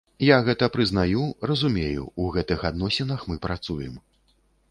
Я гэта прызнаю, разумею, у гэтых адносінах мы працуем.